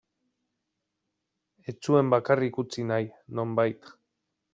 Ez zuen bakarrik utzi nahi, nonbait.